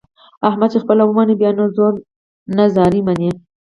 احمد چې خپله ومني بیا نه زور نه زارۍ مني.